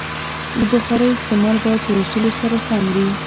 د بخارۍ استعمال باید له اصولو سره سم وي.